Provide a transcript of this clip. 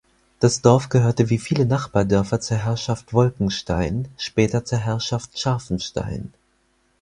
Das Dorf gehörte wie viele Nachbardörfer zur Herrschaft Wolkenstein, später zur Herrschaft Scharfenstein.